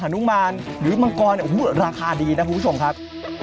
นุมานหรือมังกรเนี่ยโอ้โหราคาดีนะคุณผู้ชมครับ